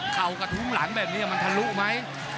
เข่ากระทุ้งหลังแบบนี้มันทะลุไหม